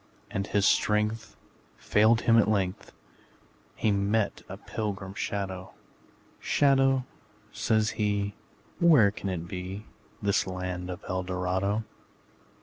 And, as his strength Failed him at length, He met a pilgrim shadow: ``Shadow,'' says he, ``Where can it be, This land of Eldorado?''